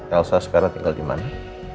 elsa sekarang tinggal dimana